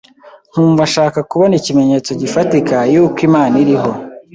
nkumva nshaka kubona ikimenyetso gifatika yuko Imana iriho.